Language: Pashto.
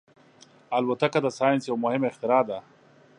الوتکه د ساینس یو مهم اختراع ده.